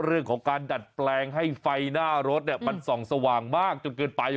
เรื่องของการดัดแปลงให้ไฟหน้ารถมันส่องสว่างมากจนเกินไป